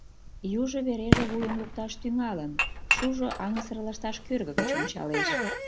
Южо вереже вуйым лукташ тӱҥалын, шужо аҥысыр лышташ кӧргӧ гыч ончалеш.